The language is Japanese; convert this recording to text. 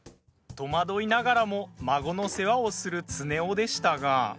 戸惑いながらも孫の世話をする常雄でしたが。